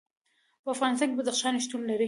په افغانستان کې بدخشان شتون لري.